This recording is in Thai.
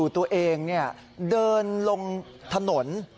ตัวเองเนี่ยเดินลงถนน